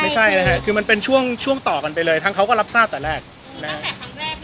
ไม่ใช่นะฮะคือมันเป็นช่วงช่วงต่อกันไปเลยทั้งเขาก็รับทราบแต่แรกนะครับ